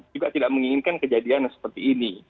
juga tidak menginginkan kejadian seperti ini